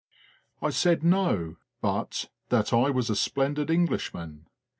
I said no, but that I was a splendid Englishman.